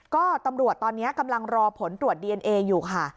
ก็ตำรวจตอนนี้กำลังรอผลตรวจดีเอนเออยู่ค่ะ